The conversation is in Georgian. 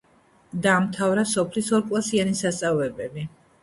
დაამთავრა სოფლის ორკლასიანი სასწავლებელი.